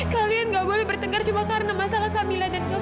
kalian gak boleh bertengkar cuma karena masalah kamila dan kisah